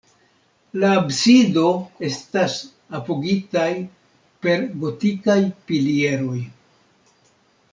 La absido estas apogitaj per gotikaj pilieroj.